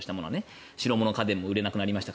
白物家電も売れなくなりました